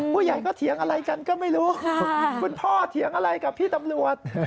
ผู้ใหญ่ก็เถียงอะไรกันก็ไม่รู้คุณพ่อเถียงอะไรกับพี่ตำรวจ